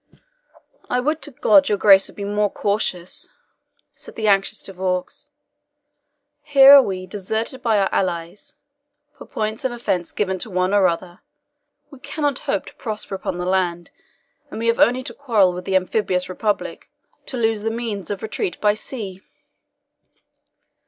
"I would to God your Grace would be more cautious," said the anxious De Vaux. "Here are we deserted by all our allies, for points of offence given to one or another; we cannot hope to prosper upon the land; and we have only to quarrel with the amphibious republic, to lose the means of retreat by sea!"